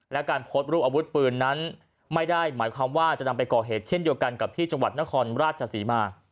และการโพสต์รูปอาวุธปืนนั้นไม่ได้หมายความว่าจะนำไปก่อเหตุเช่นเดียวกันกับที่จังหวัดนครราชศรีมา